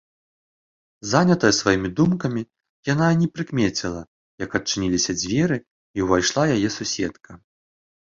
Занятая сваімі думкамі, яна і не прыкмеціла, як адчыніліся дзверы і ўвайшла яе суседка.